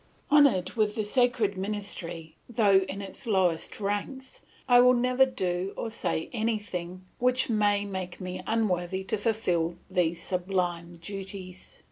Honoured with the sacred ministry, though in its lowest ranks, I will never do or say anything which may make me unworthy to fulfil these sublime duties.